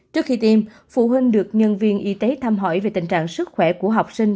trước khi tiêm phụ huynh được nhân viên y tế thăm hỏi về tình trạng sức khỏe của học sinh